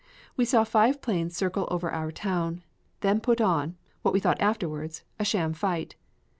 We saw five planes circle over our town, then put on, what we thought afterwards, a sham fight.